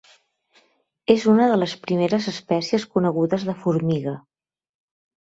És una de les primeres espècies conegudes de formiga.